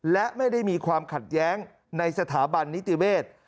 และไม่ได้มีความขัดแย้งในสถาบันนิติเวศ